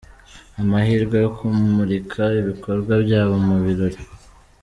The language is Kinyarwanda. Amahirwe yo kumurika ibikorwa byabo mu birori.